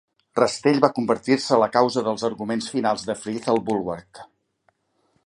Rastell va convertir-se a causa dels arguments finals de Frith al Bulwark.